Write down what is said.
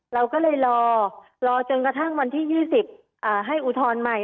เราก็เลยรอรอจนกระทั่งวันที่๒๐ให้อุทธรณ์ใหม่